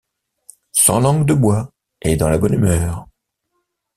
Sans langue de bois et dans la bonne humeur.